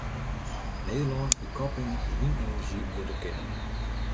Nederlân hie koprinner wynenerzjy wurde kinnen.